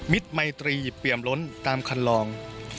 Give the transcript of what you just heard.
ไมตรีเปี่ยมล้นตามคันลอง